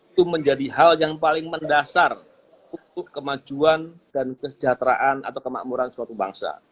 itu menjadi hal yang paling mendasar untuk kemajuan dan kesejahteraan atau kemakmuran suatu bangsa